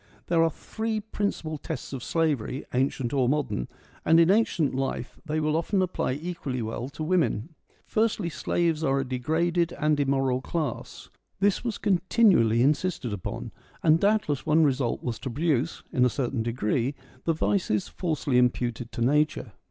There are three principal tests of slavery, ancient or modern, and in ancient life they will often apply equally well to women. THE ATTIC ORATORS 187 Firstly, slaves are a degraded and immoral class. This was continually insisted upon ; and doubtless one result was to produce, in a certain degree, the vices falsely imputed to nature.